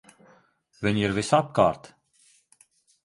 Viņi ir visapkārt!